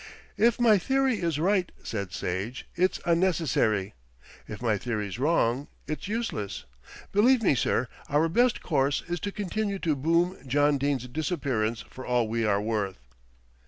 "If my theory is right," said Sage, "it's unnecessary. If my theory's wrong, it's useless. Believe me, sir, our best course is to continue to boom John Dene's disappearance for all we are worth."